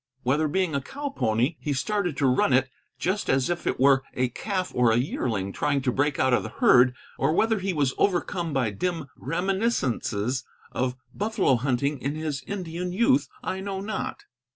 Whether, being a cow pony, he started to run it just as if it were a calf or a yearling trying to break out of the herd, or whether he was overcome by dim reminiscences of buffalo hunting in his Indian youth, I know not.